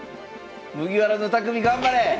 麦わらの匠頑張れ！